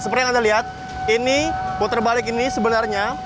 seperti yang anda lihat puterbalik ini sebenarnya